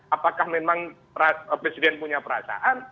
apakah memang presiden punya perasaan